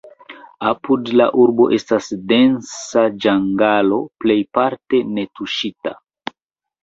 Apud la urbo estas densa ĝangalo, plejparte netuŝita.